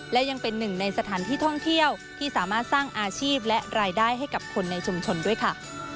และยังเป็นหนึ่งในสถานที่ท่องเที่ยวที่สามารถสร้างอาชีพและรายได้ให้กับคนในชุมชนด้วยค่ะ